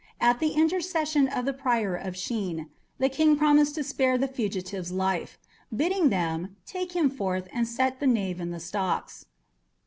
At the intercession of the Prior of Shene, the King promised to spare the fugitive's life, bidding them "take him forth, and set the knave in the stocks."